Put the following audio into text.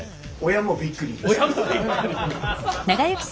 親もびっくり。